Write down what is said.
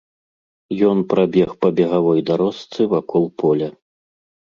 Ён прабег па бегавой дарожцы вакол поля.